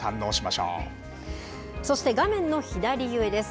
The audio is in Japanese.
そして画面の左上です。